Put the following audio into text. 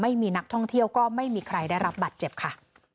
ไม่มีนักท่องเที่ยวก็ไม่มีใครได้รับบัตรเจ็บค่ะ